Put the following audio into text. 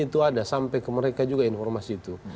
itu ada sampai ke mereka juga informasi itu